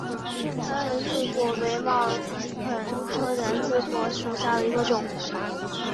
台湾人字果为毛茛科人字果属下的一个种。